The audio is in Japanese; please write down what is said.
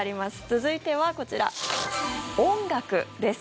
続いてはこちら、音楽です。